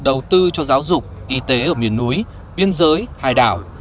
đầu tư cho giáo dục y tế ở miền núi biên giới hải đảo